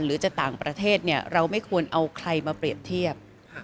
หรือจะต่างประเทศเราไม่ควรเอาใครมาเปรียบเทียบ